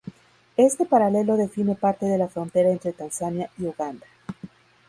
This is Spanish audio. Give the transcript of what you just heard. Este paralelo define parte de la frontera entre Tanzania y Uganda.